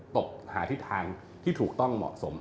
ตบหาทิศทางที่ถูกต้องเหมาะสม